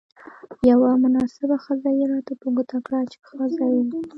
یوه مناسبه خزه يې راته په ګوته کړه، چې ښه ځای وو.